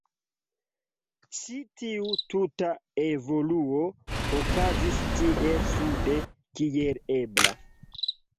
Ĉi tiu tuta evoluo okazis tiel sude kiel ebla.